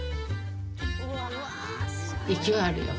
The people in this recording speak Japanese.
勢いあるよ。